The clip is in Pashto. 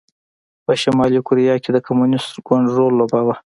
په شلي کوریا کې د کمونېست ګوند رول لوباوه.